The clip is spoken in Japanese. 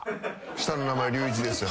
下の名前隆一ですよ。